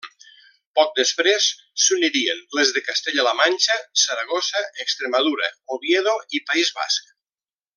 Poc després s'unirien les de Castella-la Manxa, Saragossa, Extremadura, Oviedo i País Basc.